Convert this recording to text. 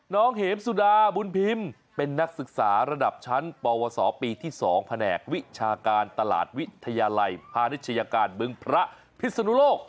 เหมสุดาบุญพิมพ์เป็นนักศึกษาระดับชั้นปวสปีที่๒แผนกวิชาการตลาดวิทยาลัยพาณิชยาการบึงพระพิศนุโลก